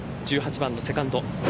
１８番のセカンド。